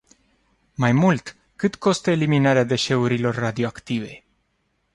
Mai mult, cât costă eliminarea deșeurilor radioactive?